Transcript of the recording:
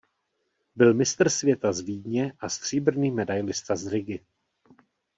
Byl mistr světa z Vídně a stříbrný medailista z Rigy.